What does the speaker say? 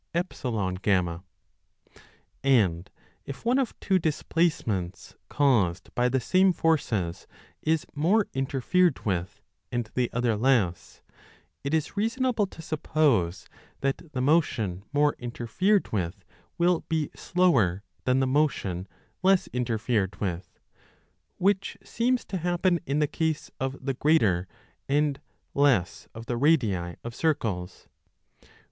And, if one of two displace ments caused by the same forces is more interfered with and the other less, it is reasonable to suppose that the motion more interfered with will be slower than the motion less interfered with ; which seems to happen in the case 10 of the greater and less of the radii of circles.